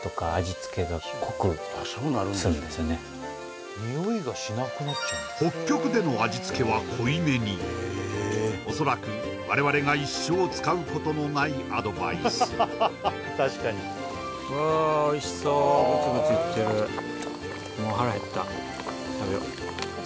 スゴく北極での味付けは濃いめに恐らく我々が一生使うことのないアドバイスわあおいしそうグツグツ言ってるもう腹減った食べよう